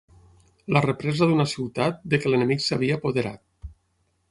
La represa d'una ciutat de què l'enemic s'havia apoderat.